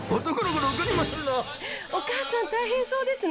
お母さん大変そうですね。